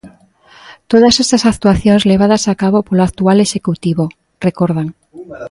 "Todas estas actuacións levadas a cabo polo actual Executivo", recordan.